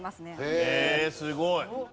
へえすごい。